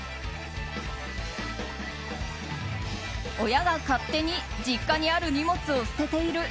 親が勝手に実家にある荷物を捨てている。